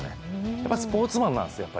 やっぱりスポーツマンなんですよ。